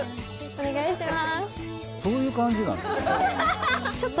お願いします。